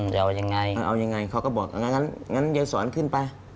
จะเอายังไงเอายังไงเขาก็บอกงั้นยายสอนขึ้นไป